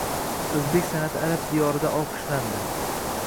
O‘zbek san’ati arab diyorida olqishlanding